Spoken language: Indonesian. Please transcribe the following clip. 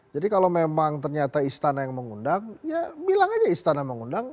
jadi kalau memang ternyata istana yang mengundang ya bilang aja istana yang mengundang